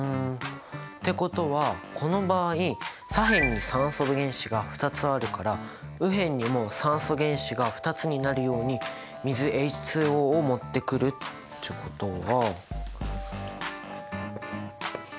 ってことはこの場合左辺に酸素原子が２つあるから右辺にも酸素原子が２つになるように水ＨＯを持ってくるってことは。